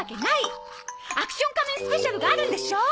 『アクション仮面スペシャル』があるんでしょー！